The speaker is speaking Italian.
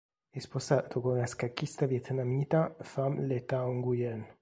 È sposato con la scacchista vietnamita Pham Le Thao Nguyen